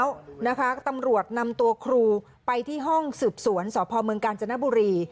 ตำรวจนำตัวครูไปที่ห้องสืบสวนสพเมืองกาญจนบุรี